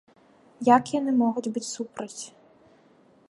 Як яны могуць быць супраць?